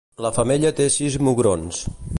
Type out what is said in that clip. La femella té sis mugrons.